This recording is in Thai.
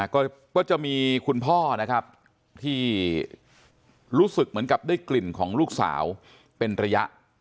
ก็จะมีคุณพ่อนะครับที่รู้สึกเหมือนกับได้กลิ่นของลูกสาวเป็นระยะ